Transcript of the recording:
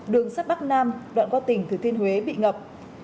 đường sắt bắc nam đoạn qua tỉnh thừa thiên huế bị ngập